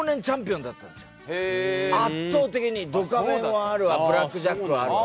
圧倒的に『ドカベン』はあるわ『ブラック・ジャック』はあるわ。